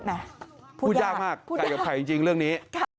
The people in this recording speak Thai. พูดยากมากไกลกับไข่จริงเรื่องนี้